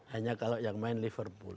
hanya kalau yang main liverpool